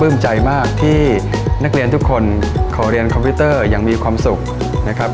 ใจมากที่นักเรียนทุกคนขอเรียนคอมพิวเตอร์อย่างมีความสุขนะครับ